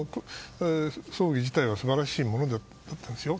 葬儀自体は素晴らしいものでしたよ。